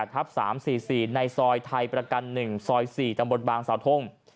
ทับ๓๔๔ในซอยไทยประกัน๑ซอย๔ตำบลบางสาวทง